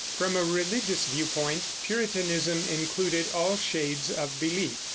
From a religious view point Puritanism included all shades of belief.